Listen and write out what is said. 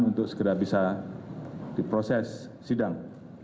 untuk segera bisa diproses sidang